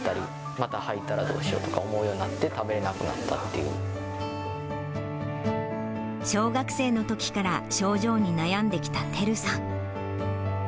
また吐いたらどうしようとか思うようになって食べれなくなったっ小学生のときから症状に悩んできたてるさん。